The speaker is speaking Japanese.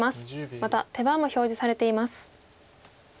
また手番も表示されています。